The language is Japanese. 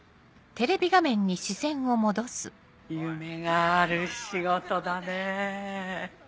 夢がある仕事だね。